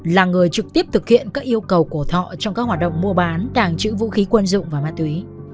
là người trực tiếp thực hiện các yêu cầu của thọ trong các hoạt động mua bán tàng trữ vũ khí quân dụng và ma túy